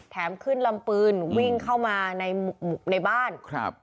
แถมขึ้นลำปืนวิ่งเข้ามาในหมุกในบ้านครับ